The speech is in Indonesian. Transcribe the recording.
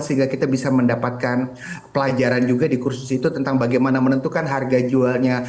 sehingga kita bisa mendapatkan pelajaran juga di kursus itu tentang bagaimana menentukan harga jualnya